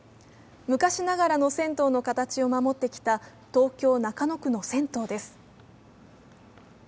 昔ながらの銭湯の形を守ってきた東京・中野区の銭湯です。